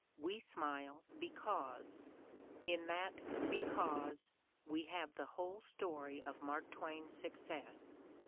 " We smile 6 ecaitse/ In that "because" we have the whole story of Mark Twain's success.